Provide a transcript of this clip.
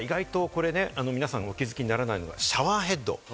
それから意外とこれね、皆さん、お気づきにならないのがシャワーヘッド。